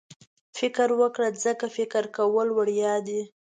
فکر وکړه ځکه فکر کول وړیا دي.